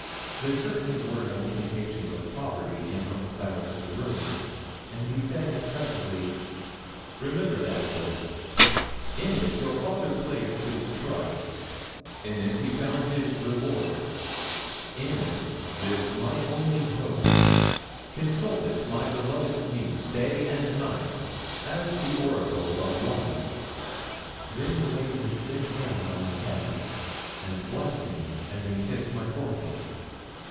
There certainly were no indications of poverty in Uncle Silas's room; and he said impressively 'Remember that book; in it your father placed his trust, in it he found his reward, in it lives my only hope; consult it, my beloved niece, day and night, as the oracle of life.' Then he laid his thin hand on my head, and blessed me, and then kissed my forehead.